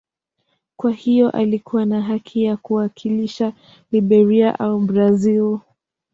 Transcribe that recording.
Kwa hiyo alikuwa na haki ya kuwakilisha Liberia au Brazil.